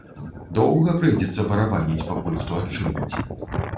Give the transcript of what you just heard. Доўга прыйдзецца барабаніць, пакуль хто адчыніць.